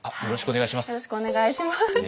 よろしくお願いします。